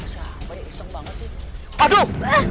siapa ya iseng banget sih